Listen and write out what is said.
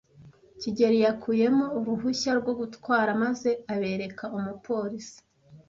kigeli yakuyemo uruhushya rwo gutwara maze abereka umupolisi.